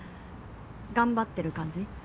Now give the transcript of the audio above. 頑張ってる感じ？